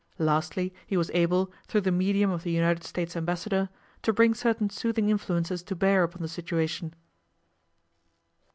Lastly, he was able, through the medium of the United States Ambassador, to bring certain soothing influences to bear upon the situation.